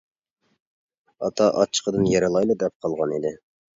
ئاتا ئاچچىقىدىن يېرىلايلا دەپ قالغان ئىدى.